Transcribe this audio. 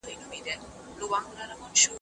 اروا پوهان وايي سپورت ناروغۍ کموي.